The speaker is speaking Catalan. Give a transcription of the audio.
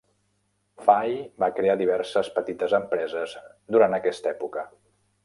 Fahy va crear diverses petites empreses durant aquesta època.